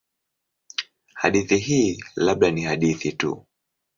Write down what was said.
Hadithi hii labda ni hadithi tu.